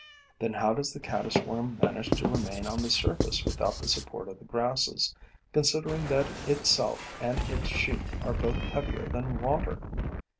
Then how does the caddis worm manage to remain on the surface without the support of the grasses, considering that itself and its sheath are both heavier than water?